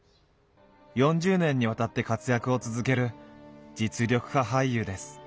４０年にわたって活躍を続ける実力派俳優です。